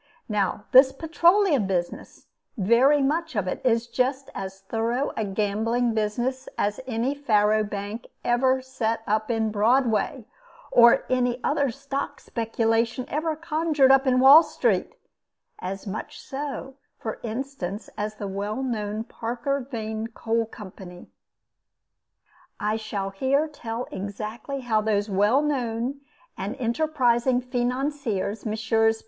Now, this petroleum business very much of it is just as thorough a gambling business as any faro bank ever set up in Broadway, or any other stock speculation ever conjured up in Wall Street as much so, for instance, as the well known Parker Vein coal company. I shall here tell exactly how those well known and enterprising financiers, Messrs.